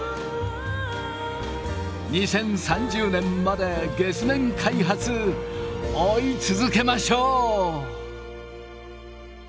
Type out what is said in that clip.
２０３０年まで月面開発追い続けましょう！